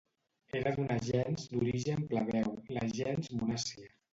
Era d'una gens d'origen plebeu, la gens Munàcia.